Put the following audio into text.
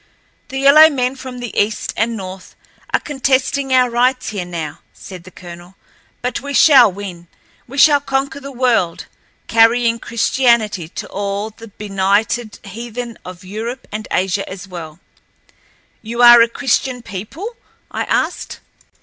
"The yellow men from the east and north are contesting our rights here now," said the colonel, "but we shall win—we shall conquer the world, carrying Christianity to all the benighted heathen of Europe, and Asia as well." "You are a Christian people?" I asked.